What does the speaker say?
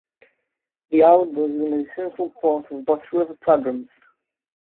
The outdoors is an essential part of both Rover programs.